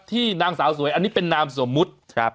ที่นางสาวสวยอันนี้เป็นนามสมมุติครับ